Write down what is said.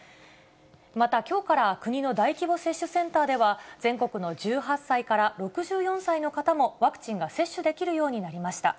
またきょうから国の大規模接種センターでは、全国の１８歳から６４歳の方も、ワクチンが接種できるようになりました。